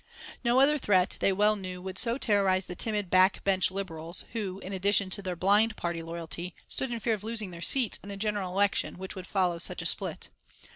No other threat, they well knew, would so terrorize the timid back bench Liberals, who, in addition to their blind party loyalty, stood in fear of losing their seats in the general election which would follow such a split.